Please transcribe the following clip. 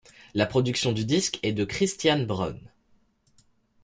La production du disque est de Christian Bruhn.